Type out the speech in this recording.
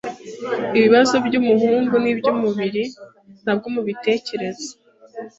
Ibibazo byumuhungu nibyumubiri, ntabwo mubitekerezo.